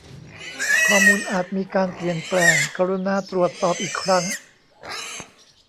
ข้อมูลอาจมีการเปลี่ยนแปลงกรุณาตรวจสอบอีกครั้ง